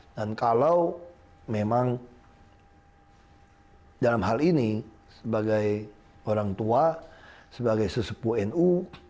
dan kalau memang dalam hal ini sebagai orang tua sebagai sesepu nu